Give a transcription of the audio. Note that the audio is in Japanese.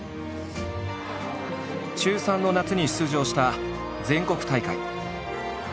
中３の夏に出場した全国大会。